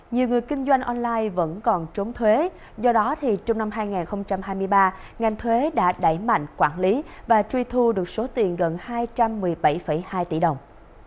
nhiều người kinh doanh online vẫn còn trốn thuế do đó trong năm hai nghìn hai mươi ba ngành thuế đã đẩy mạnh quản lý và truy thu được số tiền gần hai trăm một mươi bảy hai tỷ đồng